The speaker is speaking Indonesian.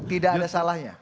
tidak ada salahnya